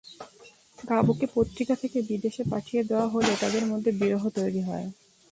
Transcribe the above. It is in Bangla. গাবোকে পত্রিকা থেকে বিদেশে পাঠিয়ে দেওয়া হলে তাঁদের মধ্যে বিরহ তৈরি হয়।